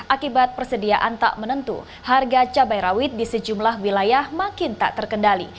akibat persediaan tak menentu harga cabai rawit di sejumlah wilayah makin tak terkendali